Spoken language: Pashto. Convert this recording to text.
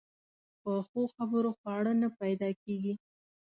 په ښو خبرو خواړه نه پیدا کېږي.